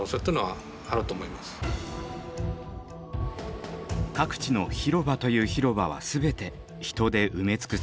各地の広場という広場は全て人で埋め尽くされました。